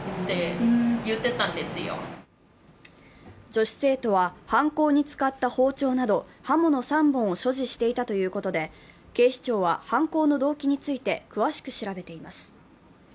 女子生徒は、犯行に使った包丁など刃物３本を所持していたということで警視庁は犯行の動機について詳しく調べています。